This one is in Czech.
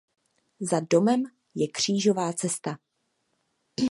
Za domem je Křížová cesta.